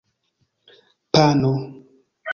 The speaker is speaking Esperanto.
pano